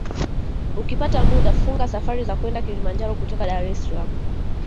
Ukipata muda funga safari za kwenda Kilimanjaro kutoka Dar es Salaam